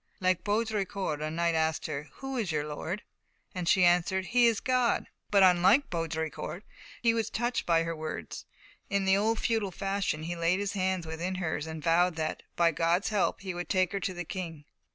Like Baudricourt, the knight asked her: "Who is your lord?" And she answered, "He is God." But, unlike Baudricourt, he was touched by her words. In the old feudal fashion, he laid his hands within hers and vowed that, by God's help, he would take her to the King.